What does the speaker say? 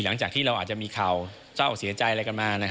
หลังจากที่เราอาจจะมีข่าวเศร้าเสียใจอะไรกันมา